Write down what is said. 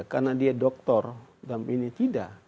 karena dia doktor dalam ini tidak